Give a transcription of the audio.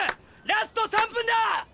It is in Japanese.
ラスト３分だ！